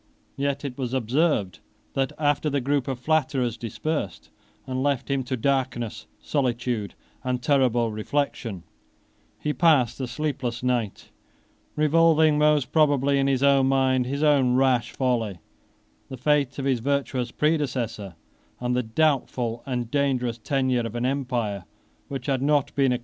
Yet it was observed, that after the crowd of flatterers dispersed, and left him to darkness, solitude, and terrible reflection, he passed a sleepless night; revolving most probably in his mind his own rash folly, the fate of his virtuous predecessor, and the doubtful and dangerous tenure of an empire which had not been acquired by merit, but purchased by money.